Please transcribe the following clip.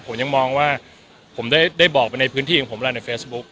ผมยังมองว่าผมได้บอกไปในพื้นที่ของผมแล้วในเฟซบุ๊ค